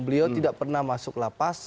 beliau tidak pernah masuk lapas